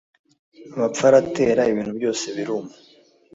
amapfa aratera, ibintu byose biruma.